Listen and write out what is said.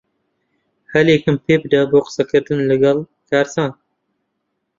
ھەلێکم پێبدە بۆ قسەکردن لەگەڵ کارزان.